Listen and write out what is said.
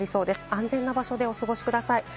安全な場所でお過ごしください。